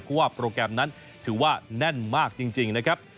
เพราะว่าโปรแกรมนั้นถือว่าแน่นมากจริงนะครับ